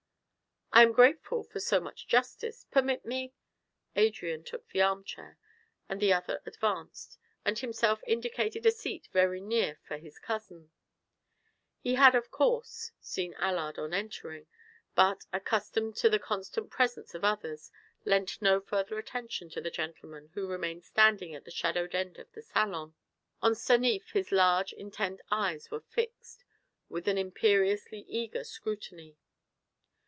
"I am grateful for so much justice. Permit me " Adrian took the arm chair which the other advanced, and himself indicated a seat very near for his cousin. He had, of course, seen Allard on entering, but, accustomed to the constant presence of others, lent no further attention to the gentleman who remained standing at the shadowed end of the salon. On Stanief his large, intent eyes were fixed with an imperiously eager scrutiny.